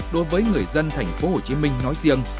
đối với người dân tp hcm nói riêng